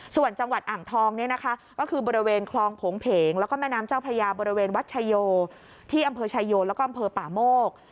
ส่วนจังหวัดอ่างทองเนี่ยนะคะก็คือบริเวณคลองโผงเพงแล้วก็แม่น้ำเจ้าพระยาบริเวณวัดชายโยที่อำเภอชายโยแล้วก็อำเภอป่าโมก